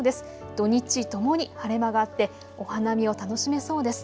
土日ともに晴れ間があってお花見を楽しめそうです。